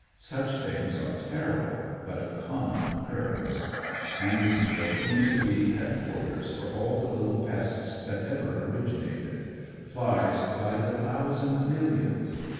Such things are terrible, but of common occurrence. Andersonville seems to be head quarters for all the little pests that ever originated — flies by the thousand millions.